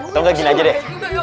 atau enggak gini aja deh